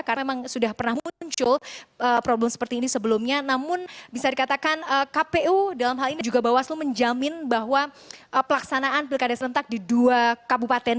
karena memang sudah pernah muncul problem seperti ini sebelumnya namun bisa dikatakan kpu dalam hal ini juga bawaslu menjamin bahwa pelaksanaan pilkada serentak di dua kabupaten